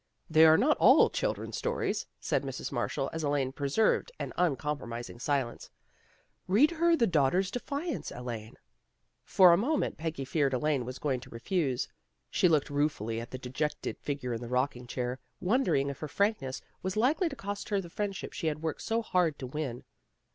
" They are not all children's stories," said Mrs. Marshall, as Elaine preserved an uncom promising silence. " Read her the ' Daughter's Defiance,' Elaine." For a moment Peggy feared Elaine was going to refuse. She looked ruefully at the dejected figure in the rocking chair, wondering if her frankness was likely to cost her the friendship she had worked so hard to win.